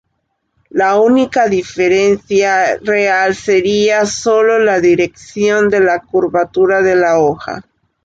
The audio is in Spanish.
La única diferencia real sería sólo la dirección de la curvatura de la hoja.